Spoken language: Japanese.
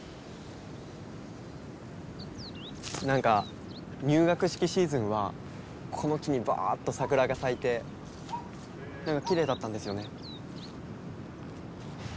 なんか入学式シーズンはこの木にバーッと桜が咲いてきれいだったんですよね。